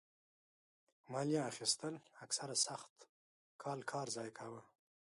مالیه اخیستل اکثره سخت کال کار ضایع کاوه.